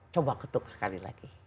coba ketuk sekali lagi